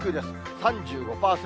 ３５％。